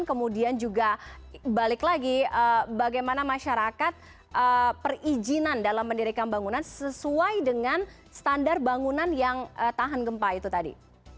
kemudian juga balik lagi bagaimana masyarakat perizinan dalam mendirikan bangunan sesuai dengan standar bangunan yang tahan gempa itu tadi